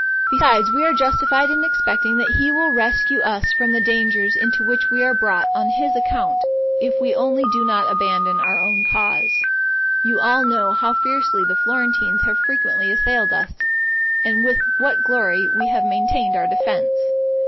Besides, we are justified in expecting that he will rescue us from the dangers into which we are brought on his account, if we only do not abandon our own cause. You all know how fiercely the Florentines have frequently assailed us, and with what glory we have maintained our defense.